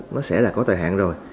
nó sẽ là có thời hạn rồi